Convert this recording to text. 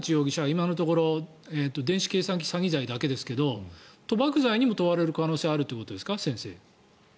今のところ電子計算機使用詐欺罪だけですが賭博罪にも問われる可能性があるということですか？